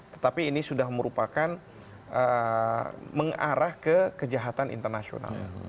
tetapi ini sudah merupakan mengarah ke kejahatan internasional